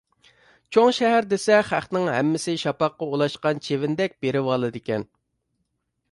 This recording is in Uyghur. چوڭ شەھەر دېسە خەقنىڭ ھەممىسى شاپاققا ئولاشقان چىۋىندەك بېرىۋالىدىكەن.